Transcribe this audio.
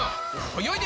はい！